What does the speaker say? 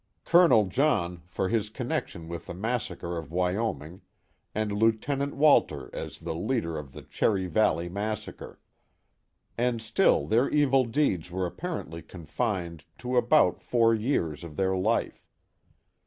Colonel John for his connection with the massacre of Wyom ing, and Lieutenant Walter as the leader of the Cherry Valley massacre. And still their evil deeds were apparently confined to about four years of their life.